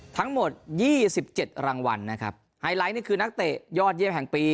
ทั้งหมดยี่สิบเจ็ดรางวัลนะครับไฮไลท์นี่คือนักเตะยอดเยี่ยมแห่งปี